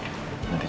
saya masih takut